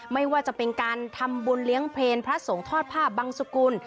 ไม่ว่าจะเป็นการทำบุญเลี้ยงเพลงพระสงฆ์ทอดภาพบังสุกุล